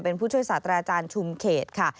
เป็นผู้ช่วยศาสตราจารย์ชุมเขตค่ะ